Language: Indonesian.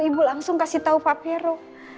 ibu langsung kasih tau pak fero